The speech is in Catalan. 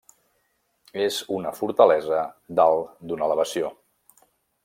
És una fortalesa dalt d'una elevació.